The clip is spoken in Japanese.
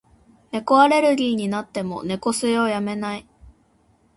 猫アレルギーになっても、猫吸いをやめない。